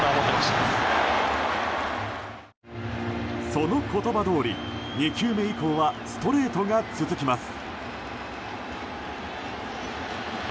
その言葉どおり、２球目以降はストレートが続きます。